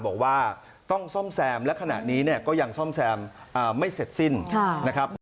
บอกว่าต้องซ่อมแซมและขณะนี้เนี่ยก็ยังซ่อมแซมไม่เสร็จสิ้นนะครับ